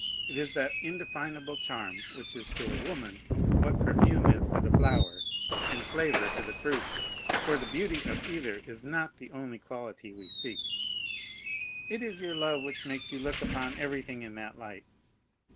It is that indefinable charm which is to a woman what perfume is to the flower and flavor to the fruit, for the beauty of either is not the only quality we seek." "It is your love which makes you look upon everything in that light."